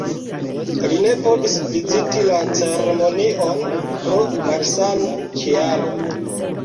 Li ne povis viziti la ceremonion pro malsan-kialo.